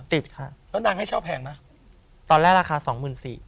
ติดค่ะแล้วนางให้เช่าแผงกันตอนแรกราคา๒๔๐๐๐บาท